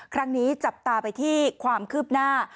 ครั้งนี้จับตาไปที่ความคืบหน้า